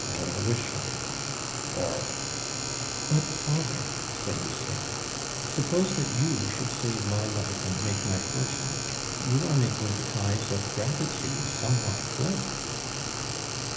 or a Richelieu, or " "But, father," said Lucien, "suppose that you should save my life and make my fortune, you are making the ties of gratitude somewhat slight."